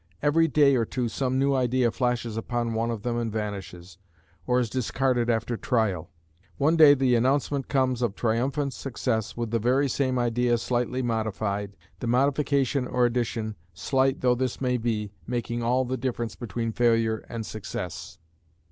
Every day or two some new idea flashes upon one of them and vanishes, or is discarded after trial. One day the announcement comes of triumphant success with the very same idea slightly modified, the modification or addition, slight though this may be, making all the difference between failure and success.